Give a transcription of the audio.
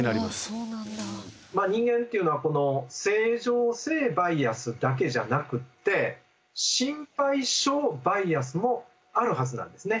人間っていうのはこの正常性バイアスだけじゃなくって心配性バイアスもあるはずなんですね。